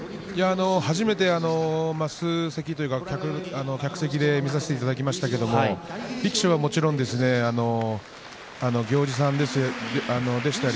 初めて升席というか客席で見させていただきましたが力士はもちろん行司さんでしたり